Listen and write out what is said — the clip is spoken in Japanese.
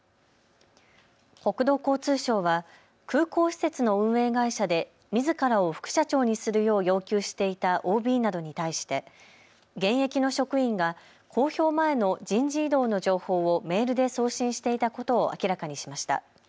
国土交通省は空港施設の運営会社でみずからを副社長にするよう要求していたＯＢなどに対して現役の職員が公表前の人事異動の情報をメールで送信していたことを明らかにしました。